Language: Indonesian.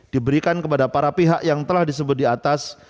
diberikan kepada para pihak yang telah disebut di atas